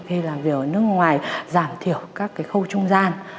khi làm việc ở nước ngoài giảm thiểu các khâu trung gian